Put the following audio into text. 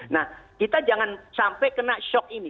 nah kita jangan sampai kena shock ini